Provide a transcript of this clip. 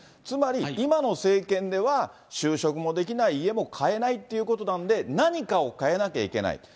つまり、今の政権では、就職もできない、家も買えないということなんで、何かを変えなきゃいけない。